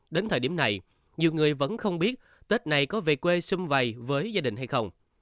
đến thời điểm này nhiều người vẫn không biết tết này có về quê xung vầy với gia đình hay không